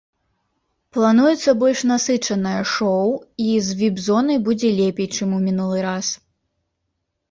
Плануецца больш насычанае шоу і з віп-зонай будзе лепей, чым у мінулы раз.